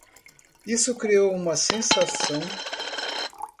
Isso criou uma sensação!